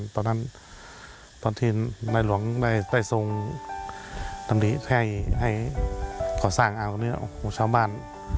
ตอนที่นายหลวงได้ทรงนำนี้ให้ก่อสร้างอ่างของชาวบ้าน